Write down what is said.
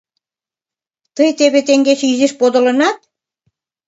Тый теве теҥгече изиш подылынат?